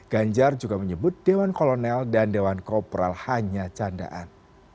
ganjar juga menyebut dewan kolonel dan dewan kopral hanya candaan